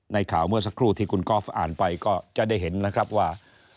ในข่าวเมื่อสักครู่ที่คุณกอล์ฟอ่านไปก็จะได้เห็นนะครับว่า